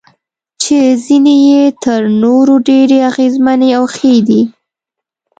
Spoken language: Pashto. چې ځینې یې تر نورو ډېرې اغیزمنې او ښې دي.